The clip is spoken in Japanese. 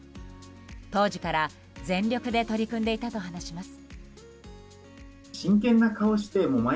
当時から全力で取り組んでいたと話します。